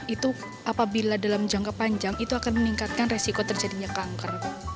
itu apabila dalam jangka panjang itu akan meningkatkan resiko terjadinya kanker